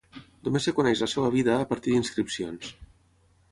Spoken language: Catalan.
Només es coneix la seva vida a partir d'inscripcions.